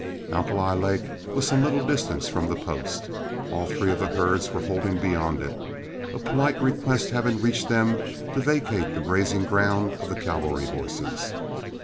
Alkali Lake was some little distance from the post. All three of the herds were holding beyond it, a polite request having reached them to vacate the grazing ground of the cavalry horses.